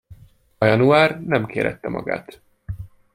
A Január nem kérette magát.